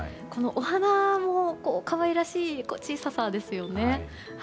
このお花も可愛らしい小ささですよね。